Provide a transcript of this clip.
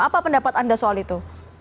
apa pendapat anda soal itu